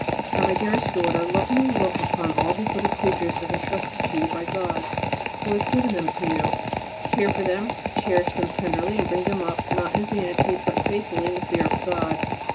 Now my dearest daughter, lovingly look upon all these little creatures as entrusted to you by God, who has given them to you; care for them, cherish them tenderly, and bring them up not in vanity, but faithfully in the fear of God.